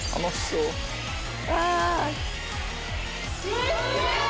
すごい！